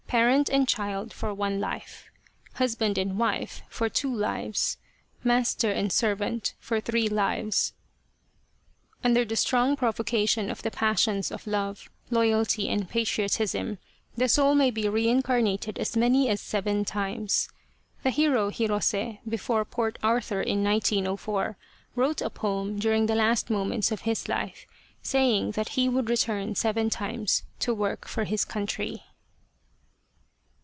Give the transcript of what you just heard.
Parent and child for one life ; Husband and wife for two lives ; Master and servant for three lives. Under the strong provocation of the passions of love, loyalty and patriotism, the soul may be reincarnated as many as seven times. The hero Hirose, before Port Arthur in 1904, wrote a poem during the last moments of his life saying that he would return seven times to work for his country.